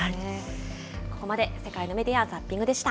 ここまで世界のメディア・ザッピングでした。